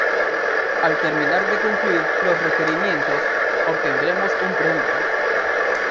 Al terminar de cumplir los requerimientos, obtendremos un premio.